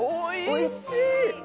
おいしい！